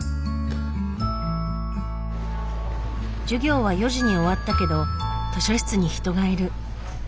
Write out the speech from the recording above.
授業は４時に終わったけど図書室に人がいる。